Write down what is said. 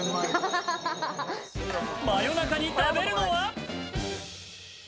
夜中に食べるのは。